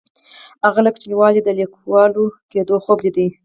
هغه له کوچنیوالي د لیکوال کیدو خوب لیده.